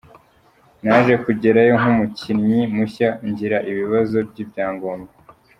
Naje kugerayo nk’umukinnyi mushya ngira ibibazo by’ibyangombwa.